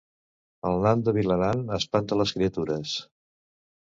El nan de Vilanant espanta les criatures